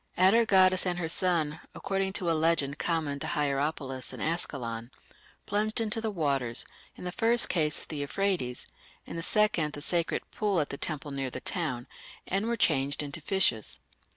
Atargatis and her son, according to a legend common to Hierapolis and Ascalon, plunged into the waters in the first case the Euphrates, in the second the sacred pool at the temple near the town and were changed into fishes".